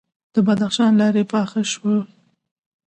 د بدخشان لارې پاخه شوي؟